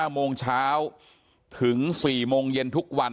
๙โมงเช้าถึง๔โมงเย็นทุกวัน